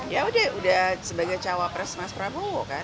ya udah udah sebagai cawapres mas prabowo kan